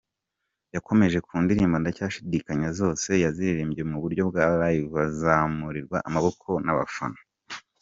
Yakomereje ku ndirimbo 'Ndacyashidikanya' zose yaziririmbye mu buryo bwa Live azamurirwa amaboko n'abafana.